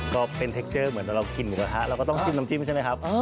ก็เป็นเทคเจอร์เหมือนเรากินหมูกระทะเราก็ต้องจิ้มน้ำจิ้มใช่ไหมครับ